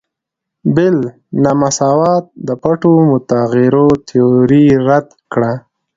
د بیل نا مساوات د پټو متغیرو تیوري رد کړه.